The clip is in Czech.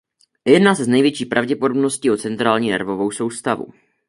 Jedná se s největší pravděpodobností o centrální nervovou soustavu.